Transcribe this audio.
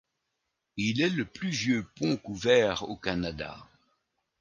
Il est le plus vieux pont couvert au Canada.